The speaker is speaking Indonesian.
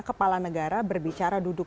kepala negara berbicara duduk